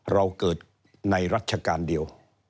เราเกิดในรัชกาลเดียว